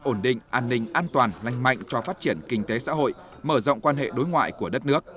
ổn định an ninh an toàn lành mạnh cho phát triển kinh tế xã hội mở rộng quan hệ đối ngoại của đất nước